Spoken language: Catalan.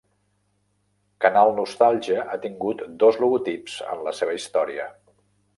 Canal Nostàlgia ha tingut dos logotips en la seva història.